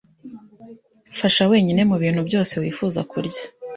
Fasha wenyine mubintu byose wifuza kurya.